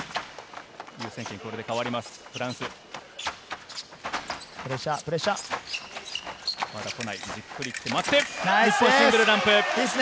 優先権がこれで変わります。